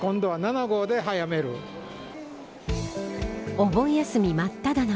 お盆休み真っただ中。